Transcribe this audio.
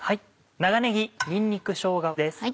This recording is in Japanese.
長ねぎにんにくしょうがです。